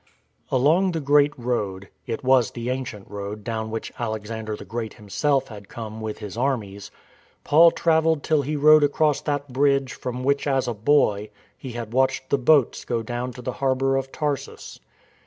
Along the great road — it was the ancient road down which Alexander the Great himself had come with his armies — Paul travelled till he rode across 244 STORM AND STRESS that bridge from which as a boy he had watched the boats go down to the harbour of Tarsus.